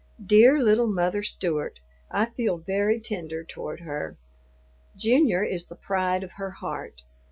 Dear little Mother Stewart, I feel very tender toward her. Junior is the pride of her heart.